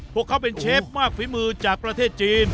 พวกเขาเป็นเชฟมากฝีมือจากประเทศจีน